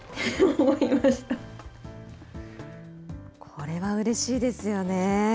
これはうれしいですよね。